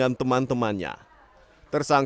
iya di ganting